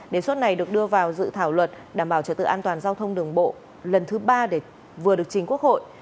đề xuất này được đưa vào dự thảo luật đảm bảo trật tự an toàn giao thông đường bộ lần thứ ba vừa được chính quốc hội